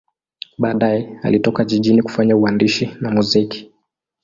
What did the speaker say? Baadaye alitoka jijini kufanya uandishi na muziki.